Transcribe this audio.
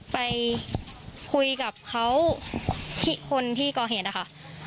ไปคุยกับเค้าคนที่กรเหตุค่ะ